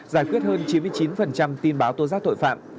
giải quyết hơn chín mươi chín tin báo tố giác tội phạm